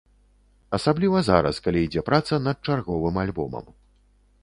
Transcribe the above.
Асабліва зараз, калі ідзе праца над чарговым альбомам.